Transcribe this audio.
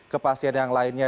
ke pasien yang lainnya